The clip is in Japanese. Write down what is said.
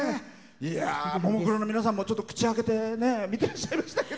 ももクロの皆さんも口を開けて見ていらっしゃいましたけど。